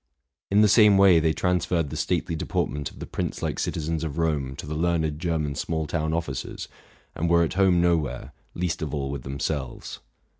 In the same way they transferred the stately deportment of the prince like citizens of Rome to the learned German small town officers, and were at home nowhere, least of all with themselves.